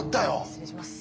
失礼します。